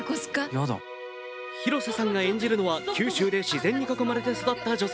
広瀬さんが演じるのは九州で自然に囲まれて育った女性。